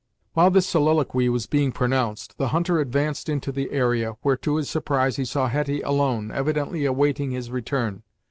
While this soliloquy was being pronounced, the hunter advanced into the area, where to his surprise he saw Hetty alone, evidently awaiting his return.